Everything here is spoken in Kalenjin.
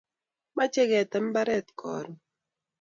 mache ketem imabaret karun